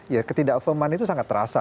ya ketidakpeman itu sangat terasa